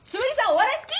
お笑い好き？